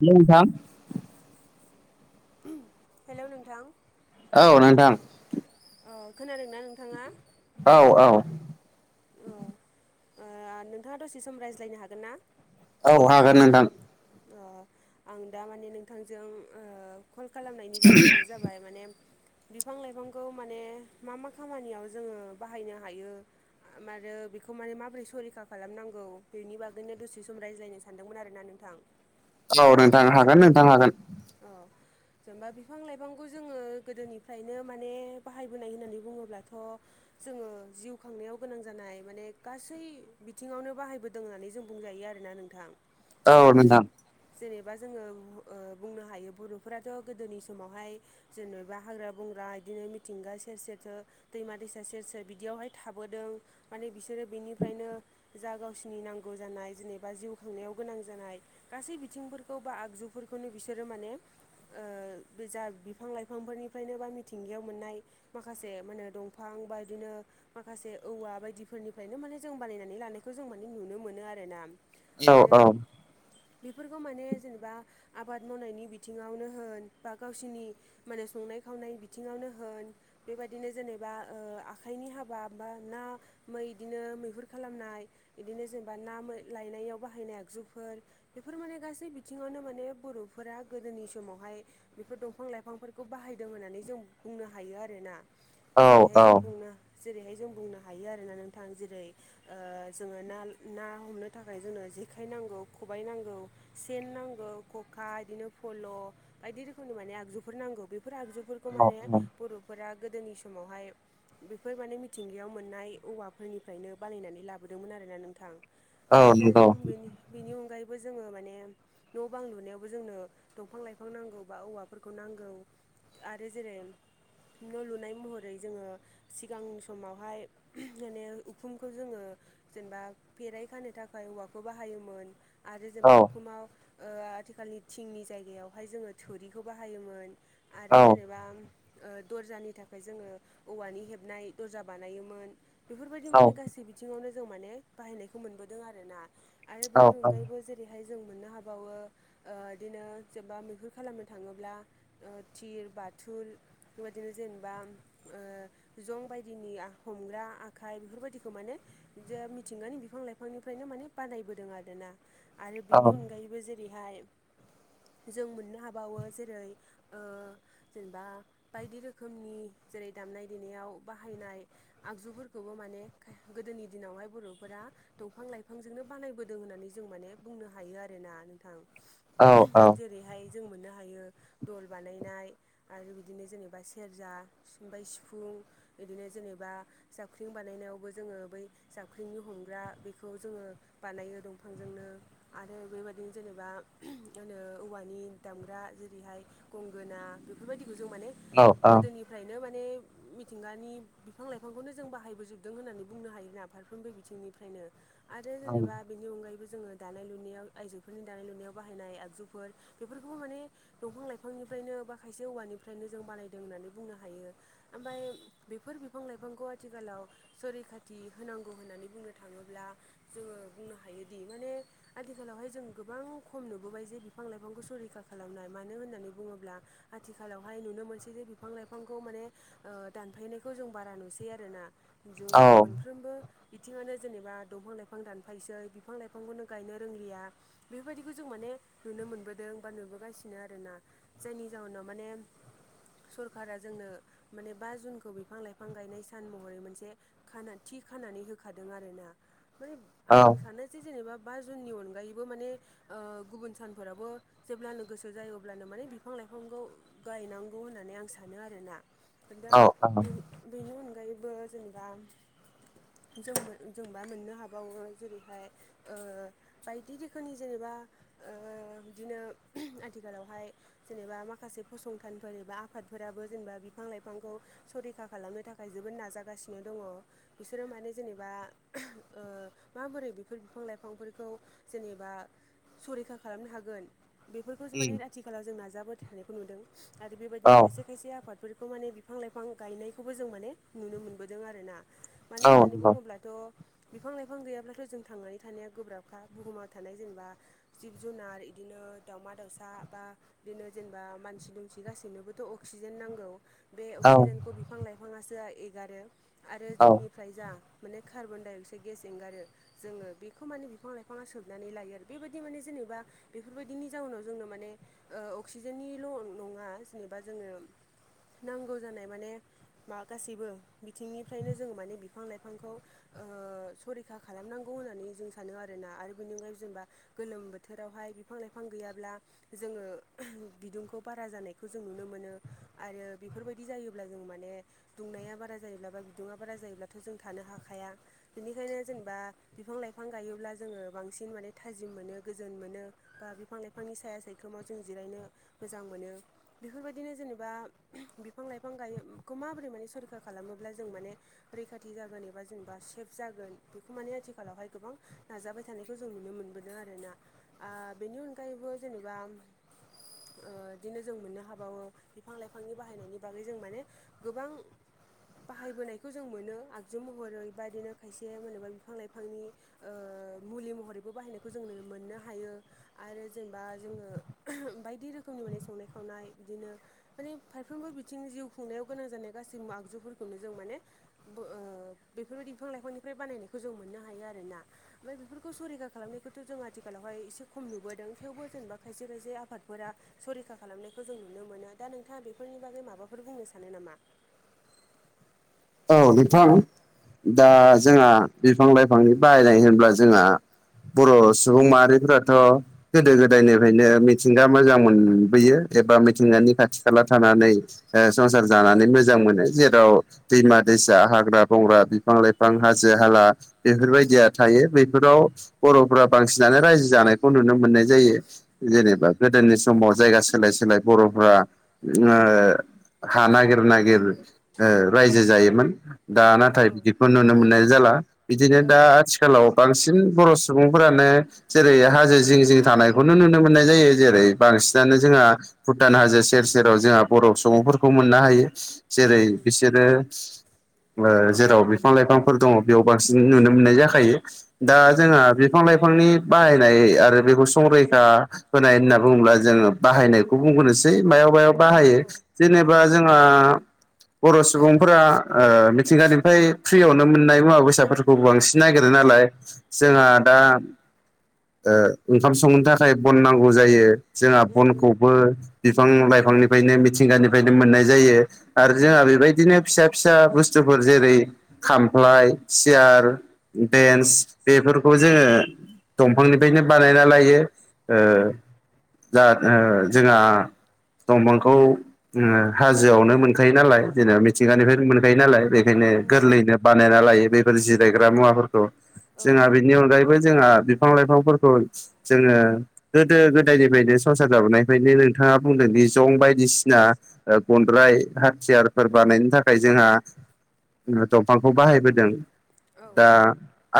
Hello नोंथां hello नोंथां औ नोंथां ओ खोनादोंना नोंथाङा औ-औ अ नोंथाङा दसे सम रायज्लायनो हागोन ना औ हागोन नोंथां आं द माने नोंथांजों कल खालामनायनि जाहोनानो जाबाय माने बिफां लाइफांखौ माने मा मा खामानियाव जोङो बाहायनो हायो आरो बेखौ माने माबोरै सरैखा खालामनांगौ बेनि बागैनो दसे सम रायज्लायनो सै सान्दोंमोन आरोना नोंथां औ नोंथां हागोन नोंथां हागोन औ जेनेबा बिफां-लाइफांखौ जोङो गोदोनिफ्रायनो माने बाहायबोनाय होननानै बुङोब्लाथ' जोङो जिउ खांनायाव गोनां जानाय माने गासै बिथिङावनो बाहायबोदों दों होननानै जों बुंजायो आरोना नोंथां ओ जेनेबा जोङो ओ बुंनो हायो बर'फोराथ' गोदोनि समावहाय जेनेबा हाग्रा बंग्रा इदिनो मिथिंगा सेर सेरथो दैमा-दैसा सेर सेर बिदियावहाय थाबोदों माने बिसोरो बेनिफ्रायनो जा गावसिनि नांगौ जानाय जेनेबा जिउ खांनायाव गोनां जानाय गासै बिथिंफोरखौ बा आगजुफोरखौनो बिसोरो माने ओ बे जा बिफां-लाइफांफोरनिफ्रायनो बा मिथिंगायाव मोननाय माखासे मानो दंफां बा बिदिनो माखासे औवा बायदिफोरनिफ्रायनो माने जों बानायनानै लानायखौ जों माने नुनो मोनो आरोना आरो बेफोरखौ माने जेनेबा आबाद मावनायनि बिथिङावनो होन बा गावसिनि माने संनाय खावनाय बिथिङावनो होन बेबायदिनो जेनेबा ओ आखाइनि हाबा बा ना मै इदिनो मैहुर खालामनाय बिदिनो जेनेबा ना मैं लायनायाव बाहायनाय आगजुफोर बेफोर माने गासै बिथिङावनो माने बर'फोरा गोदोनि समावहाय बेफोर दंफां-लाइफांफोरखौ बाहायदों होननानै जों बुंनो हायो आरोना जेरैहाय जों बुंनो जेरैहाय जों बुंनो हायो आरोना नोंथां जेरै ओ जोङो ना ना हमनो थाखाय जोंनो जेखाइ नांगौ खबाय नांगौ सेन नांगौ ख'खा बिदिनो फल' बायदि रोखोमनि माने आगजुफोर नांगौ बेफोर आगजु बेफोरखौ माने बर'फोरा गोदोनि समावहाय बेफोर माने मिथिंगायाव मोननाय औवाफोरनिफ्रायनो बानायायनानै लाबोदोंमोन आरोना नोंथां आरो दा जों बेनि बेनि अनगायैबो जोङो माने न' बां लुनायावबो जोंनो दंफां-लाइफां नांगौ बा औवाफोरखौ नांगौ आरो जेरै न' लुनाय महरै जोङो सिगां समावहाय माने उखुमखौ जोङो जेनेबा फेराइ खानो थाखाय औवाखौ बाहायोमोन आरो जेनेबा उखुमाव ओ आथिखालनि थिंनि जायगायावहाय जोङो थोरिखौ बाहायोमोन आरो जेनेबा ओ दर्जानि थाखाय जोङो औवानि हेबनाय दर्जा बानायोमोन बेफोरबायदि माने गासै बिथिङावनो जों माने बाहायनायखौ मोनबोदों आरोना आरो बेनि अनगायैबो जे रैहाय जों मोननो हाबावो ओ इदिनो जेनबा मैहुर खालामनो थाङोब्ला ओ थिर बाथुल बेबायदिनो जेनेबा ओ जं बायदिनि हमग्रा आखाइ बेफोरबायदिखौ माने बिदि मिथिंगानि बिफां-लाइफांनिफ्रायनो माने बादायबोदों आरोना आरो बिनि अनगायैबो जेरैहाय जों मोननो हाबावो जेरै जेनेबा बायदि रोखोमनि जेरै दामनाय-देनायाव बाहायनाय आगजुफोरखौबो माने गोदोनि दिनावहाय बर'फोरा दंफां-लाइफांजोंनो बानायबोदों होननानै जों माने बुंनो हायो आरो आरोना नोंथां जेरैहाय जों मोननो हायो दल बानायनाय आरो बिदिनो जेनेबा सेरजा ओमफ्राय सिफुं बिदिनो जेनेबा जाबख्रिं बानायनायावबो जोङो बै जाबख्रिंनि हमग्रा बेखौ जोङो बानायो दंफांजोंनो आरो बेबायदिनो जेनेबा ओ औवानि दामग्रा जेरैहाय गंगोना बेफोरबायदिखौ जों माने गोदोनि फ्रायनो माने मिथिंगानि बिफां-लाइफांखौनो जों बाहायबोजोबदों होननानै बुंनो हायोना फारफ्रोमबो बिथिंनि नो आरो जेनेबा बिनि अनगायैबो जोङो दानाय-लुनायाव आइजोफोरनि दानाय-लुनायाव बाहायनाय आगजुफोर बेफोरखौबो माने दंफां-लाइफांनिफ्रायनो बा खायसे औवानिफ्रायनो जों बानायदों होननानै बुंनो हायो ओमफाय बेफोर बिफां लाइफांखौ आथिखालाव संरैखाथि होनांगौ होननानै बुंनो थाङोब्ला जोङो बुंनो हायोदि माने आथिखालावहाय जों गोबां खम नुबोबाय जे बिफां लाइफांखौ संरैखा खालामनाय मानो होननानै बुङोब्ला आथिखालावहाय नुनो मोनसै जे बिफां लाइफांखौ माने ओ दानफायनायखौ जों बारा नुसै आरोना जोङो मोनफ्रोमबो बिथिङानो जेनेबा दंफां लाइफां दानफायनोसै बिफां लाइफांखौनो गायनो रोंलिया बेफोरबायदिखौ जों माने नुनो मोनबोदों बा नुबोगासिनो आरोना जायनि जाउनाव माने सरकारा जोंनो माने बा जुनखौ बिफां लाइफां गायनाय सान महरै मोनसे खाना थि खानानै होखादों आरोना बै आं सानो जे जेनेबा बा जुननि अनगायैबो माने ओ गुबुन सानफोरावो जेब्लानो गोसो जायो अब्लानो माने बिफां लाइफांखौ गायनांगौ होननानै आं सानो आरोना दा बेनि अनगायैबो जेनेबा जों जोंबा मोननो हाबावो जेरैहाय ओ बायदि रोखोमनि जेनेबा ओ बिदिनो आथिखालावहाय जेनेबा माखासे फसंथानफोर एबा आफादफोराबो जेनेबा बिफां लाइफांखौ संरैखा खालामनो थाखाय जोबोद नाजागासिनो दङ बिसोरो माने जेनेबा ओ माबोरै बेफोर बिफां लाइफांफोरखौ जेनेबा संरैखा खालामनो हागोन बेफोरखौसो माने आथिखालाव जों नाजाबाय थानायखौ नुदों आरो बेबायदिनो खायसे खायसे आबाद फोरखौ माने बिफां लाइफां गायनायखौबो जों माने नुनो मोनबोदों आरोना मानो होननानै बुङोब्लाथ' बिफां लाइफां गैयाब्लाथ' जों थांनानै थानाया गोब्राब खा बुहुमाव थानाय जेनेबा जिब जुनार इदिनो दाउमा दाउसा बा बिदिनो जेनेबा मानसि दुमसि गासैनोबोथ' अक्सिजेन नांगौ बे अक्सिजेनखौ बिफां लाइफाङासो एगारो आरो जोंनि फ्राय जा माने कार्बन डाइ अक्साइड गेस एंगारो जोङो बेखौ माने बिफां लाइ फाङा सोबनानै लायो आरो बेबायदि माने जेनेबा बेफोरबायदिनि जाउनाव जोंनो माने ओ अक्सिजेननिल' नङा जेनेबा जोङो नांगौ जानाय माने मा गासैबो बिथिंनिफ्रायनो जोङो माने बिफां लाइफांखौ ओ संरैखा खालामनांगौ होननानै जों सानो आरोना आरो बेनि अनगायैबो जेनेबा गोलोम बोथोरावहाय बिफां लाइफां गैयाब्ला जोङो बिदुंखौ बारा जानायखौ जों नुनो मोनो आरो बेफोरबायदि जायोब्ला जों माने दुंनाया बारा जायोब्ला बा बिदुङा बारा जायोब्लाथ' जों थानो हाखाया बेनिखायनो जेनेबा बिफां लाइफां गायोब्ला जोङो बांसिन माने थाजिम मोनो गोजोन मोनो बा बिफां लाइफांनि साया सायख्लुमाव जों जिरायनो मोजां मोनो बेफोरबायदिनो जेनेबा बिफां लाइफां गायो खौ माबोरै माने संरैखा खालामोब्ला जों माने रैखाथि जागोन एबा जेनेबा सेफ जागोन बेखौ माने आथिखालावहाय गोबां नाजाबाय थानायखौ जों नुनो मोनबोदों आरोना ओ बेनि अनगायैबो जेनेबा ओ इदिनो जों मोननो हाबावो बिफां लाइफांनि बाहायनायनि बागै जों माने गोबां बाहायबोनायखौ जों मोनो आगजु महरै बेबाबिदिनो खायसे मोनोबा बिफां लाइफांनि ओ मुलि महरैबो बाहायनायखौ जों नो मोननो हायो आरो जेनेबा जोङो बायदि रोखोमनि माने संनाय खावनाय इदिनो माने फारफ्रोमबो बिथिंनि जिउ खुंनायाव गोनां जानाय गासै मुवा आगजुफोरखौनो जों माने बो ओ बेफोरबायदि बिफां लाइफांनिफ्राय बानायनायखौ जों मोननो हायो आरो ना ओमफाय बेफोरखौ सरैखा खालामनायखौथ' जों आथिखालावहाय एसे खम नुबोदों थेवबो जेनेबा खायसे खायसे आफादफोरा सरैखा खालामनायखौ जों नुनो मोनो दा नोंथाङा बेफोरनि बागै माबाफोर बुंनो सानो नामा औ नोंथां दा जोंहा बिफां लाइफांनि बाहायनाय होनोब्ला जोंहा बर' सुबुं माहारिफोराथ' गोदो गोदायनिफ्रायनो मिथिंगा मोजां मोनबोयो एबा मिथिंगानि खाथि खाला थानानै ओ संसार जानानै मोजां मोनो जेराव दैमा दैसा हाग्रा बंग्रा बिफां लाइफां हाजो हाला बेफोरबायदिया थायो बेफोराव बर'फोरा बांसिनानो रायजो जानायखौ नुनो मोननाय जायो जेनेबा गोदोनि समाव जायगा सोलाय सोलाय बर'फोरा ओ हा नागिर नागिर ओ रायजो जायोमोन दा नाथाय बिदिखौ नुनो मोननाय जाला बिदिनो दा आथिखाल आथिखालाव बांसिन बर' सुबुंफोरानो जेरै हाजो जिं जिं थानायखौनो नुनो मोननाय जायो जेरै बांसिनानो जोंहा भुटान हाजो सेर सेराव जोंहा बर' सुबुंफोरखौ मोननो हायो जेरै बिसोरो जेराव बिफां लाइफांफोर दङ बेयाव बांसिन नुनो मोननाय जाखायो दा जोंहा बे बिफां लाइफांनि बाहायनाय आरो बेखौ संरैखा होनाय होनना बुङोब्ला जोङो बाहायनायखौ बुंबोनोसै मायाव मायाव बाहायो जेनेबा जोंहा बर' सुबुंफोरा मिथिंगानिफ्राय फ्रियावनो मोननाय मुवा बेसादफोरखौ बांसि नागिरो नालाय जोंहा दा ओ ओंखाम संनो थाखाय बन नांगौ जायो जोंहा बनखौ बो बिफां लाइफांनिफ्रायनो मिथिंगानिफ्रायनो मोननाय जायो आरो जोंहा बेबायदिनो फिसा फिसा बुस्थुफोर जेरै खामफ्लाय सियार बेन्स बेफोरखौ जोङो दंफांनिफ्रायनो बानायना लायो उ दा जोंहा दंफांखौ ओ हाजोआवनो मोन मोनखायो नालाय जेनेबा मिथिंगानिफ्राय मोनखायो नालाय बेखायनो गोरलैनो बानायना लायो बेफोर जिरायग्रा मुवाफोरखौ जोंहा बेनि अनगायैबो जोंहा बिफां लाइफांफोरखौ जोङो गोदो गोदायनिफ्रायनो संसार जाबो नायनिफ्रायनो नोंथाङा बुंदोंदि जं बायदिसिना गनद्राय हाथियारफोर बानायनो थाखाय जोंहा दंफांखौ बाहायबोदों दा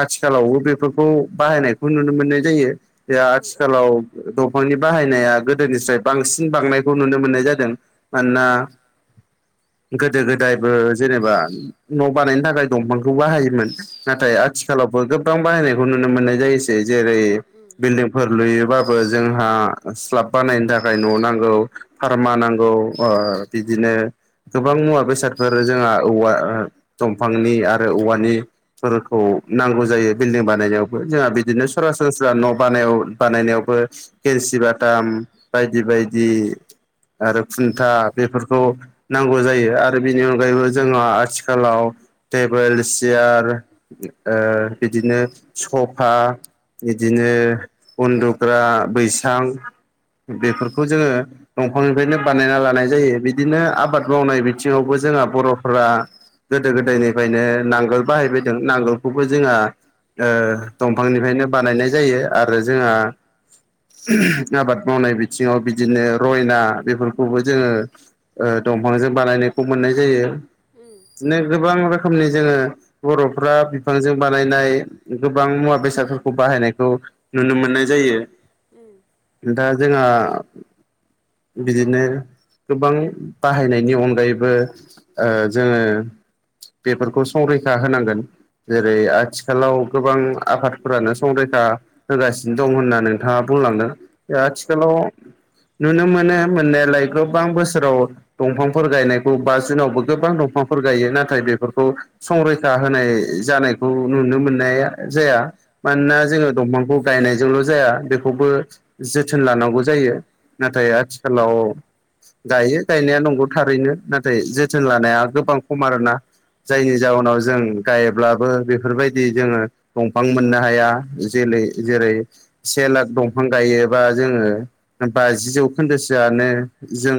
आथिखालावबो बेफोरखौ बाहायनायखौ नुनो मोननाय जायो आथिखालाव दंफांनि बाहायनाया गोदोनिफ्राय बांसिन बांनायखौ नुनो मोननाय जादों मानोना गोदो गोदायबो जेनेबा न' बानायनो थाखाय दंफांखौ बाहायोमोन नाथाय आथिखालावबो गोबां बाहायनायखौ नुनो मोननाय जायोस से जेरै बिल्डिंफोर लुयोबाबो जोंहा स्लाब बानायनो थाखाय न' नांगौ फारमा नांगौ ओ बिदिनो गोबां मुवा बेसादफोर जोंहा औवा दंफांनि आरो औवानि फोरखौ नांगौ जायो बिल्डिं बानायनायावबो जोंहा बिदिनो सरासनस्रा न' बानाय बानायनायावबो केरसि बाटाम बायदि बायदि आरो खुन्था बेफोरखौ नांगौ जायो आरो बेनि अनगायैबो जोंहा आथिखालाव टेबोल सियार ओ बिदिनो सफा इदिनो उन्दुग्रा बैसां बेफोरखौ जोङो दंफांनिफ्रायनो बानायना लानाय जायो बिदिनो आबाद मावनाय बिथिङावबो जोंहा बर'फोरा गोदो गोदायनिफ्रायनो नांगोल बाहायबोदों नांगोलखौबो जोंहा ओ दंफांनिफ्रायनो बानायनाय जायो आरो जोङा आबाद मावनाय बिथिङाव बिदिनो रयना बेफोरखौबो जोङो ओ दंफांजों बानायनायखौ मोननाय जायो। उम बिदिनो गोबां रोखोमनि जोङो बर'फ्रा बिफांजों बानायनाय गोबां मुवा-बेसादफोरखौ बाहायनायखौ नुनो मोननाय जायो‌। दा जोङा बिदिनो गोबां बाहायनायनि अनगायैबो ओ जोङो बेफोरखौ संरैखा होनांगोन। जेरै आथिखालाव गोबां आफादफोरानो संरैखा होगासिनो दं होनना नोंथाङा बुंलांदों। ओ आथिखालाव नुनो मोनो मोननायालाय गोबां बोसोराव दंफांफोर गायनायखौ बा जुनावबो गोबां दंफांफोर गायो नाथाय बेफोरखौ संरैखा होनाय जानायखौ नुनो मोननाया जाया मानोना जोङो दंफांखौ गायनायजोंल' जाया बेखौबो जोथोन लानांगौ जायो। नाथाय आथिखालाव गायो गायनाया नंगौ थारैनो नाथाय जोथोन लानाया गोबां खम आरोना जायनि जाउनाव जों गायब्लाबो बेफोरबायदि जोङो दंफां मोननो हाया जेलै जेरै से लाख दंफां गायोबा जोङो बाजि जौखोन्दोसोआनो जों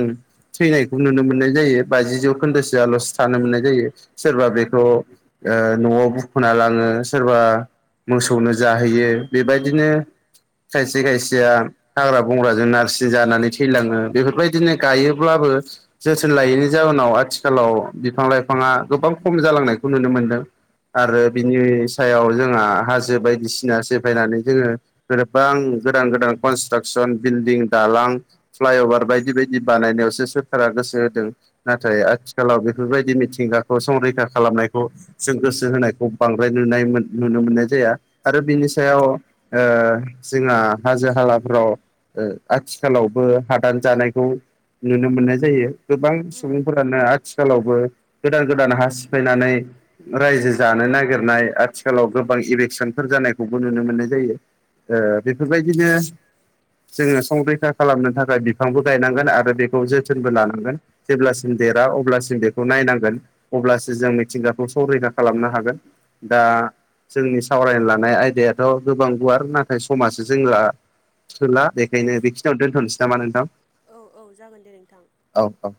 थैनायखौ नुनो मोननाय जायो बाजि जौखोन्दोसोआल'सो थानो मोननाय जायो सोरबा बेखौ ओ न'वाव बुखुना लाङो सोरबा मोसौनो जाहोयो बेबायदिनो खायसे खायसेया हाग्रा बंग्राजों नारसिन जानानै थैलाङो बेफोरबायदिनो गायो। अब्लाबो जोथोन लायैनि जाहोनाव आथिखालाव बिफां-लाइफाङा गोबां खम जालांनायखौ नुनो मोनदों। आरो बिनि सायाव जोङा हाजो बायदिसिना सेफायनानै जोङो गोबां गोदान गोदान कनस्ट्राकसन बिल्डिं, दालां फ्लाइअभार बायदि बायदि बानायनायावसो सोरखारा गोसो होदों नाथाय आथि खालाव बेफोरबायदि मिथिंगाखौ संरैखा खालामनायखौ जों गोसो होनायखौ बांद्राय नुनाय नुनो मोननाय जाया आरो बिनि सायाव ओ जोङा हाजो हालाफ्राव ओ आथिखालावबो हादान जानायखौ नुनो मोननाय जायो गोबां सुबुंफोरानो आथि खालावबो गोदान गोदान हा सिफायनानै रायजो जानो नागिरनाय आथिखालाव गोबां इभेकसनफोर जानायखौबो नुनो मोननाय जायो। ओ बेफोरबायदिनो जोङो संरैखा खालामनो थाखाय बिफांबो गायनांगोन आरो बे खौ जोथोनबो लानांगोन जेब्लासिम देरा अब्लासिम बेखौ नायनांगोन अब्लासो जों मिथिंगाखौ संरैखा खालामनो हागोन दा जोंनि सावरायनो लानाय आयदायाथ' गोबां गुवार नाथाय समाजो जोंला थोला बेखायनो बेखिनियावनो दोनथ'नोसै नामा नोंथां? औ औ जागोन दे नोंथां औ औ